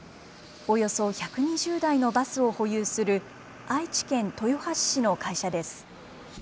およそ１２０台のバスを保有する愛知県豊橋市の会社です。